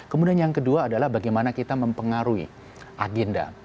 kemudian yang kedua adalah bagaimana kita mempengaruhi agenda